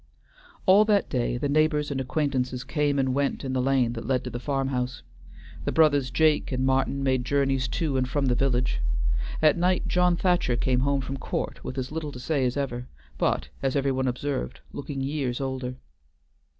All that day the neighbors and acquaintances came and went in the lane that led to the farm house. The brothers Jake and Martin made journeys to and from the village. At night John Thacher came home from court with as little to say as ever, but, as everybody observed, looking years older.